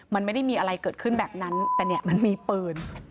มันไม่ได้มีอะไรเกิดขึ้นแบบนั้นแต่เนี่ยมันมีปืน